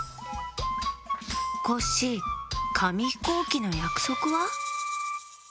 コッシーかみひこうきのやくそくは？